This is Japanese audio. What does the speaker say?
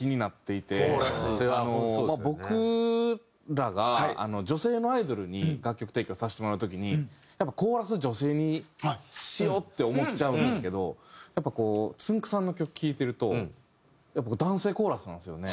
僕らが女性のアイドルに楽曲提供させてもらう時にコーラス女性にしようって思っちゃうんですけどやっぱこうつんく♂さんの曲聴いてると男性コーラスなんですよね。